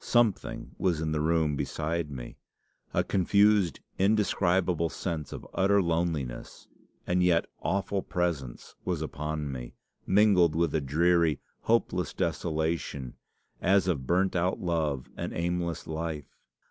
Something was in the room beside me. A confused, indescribable sense of utter loneliness, and yet awful presence, was upon me, mingled with a dreary, hopeless desolation, as of burnt out love and aimless life.